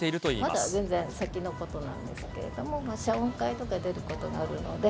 まだ全然、先のことなんですけれども、謝恩会とか出ることがあるので。